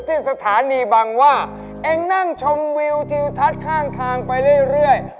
ที่สถานีบังว่าเองนั่งชมวิวทิวทัศน์ข้างทางไปเรื่อย